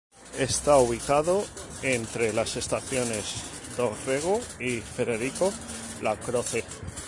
Está ubicado entre las estaciones Dorrego y Federico Lacroze.